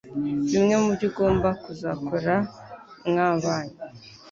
bimwe mu byo ugomba kuzakora mwabanye.